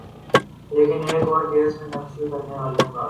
لیکن ایک اور کیس میں تفتیش کرنے والوں کو لگا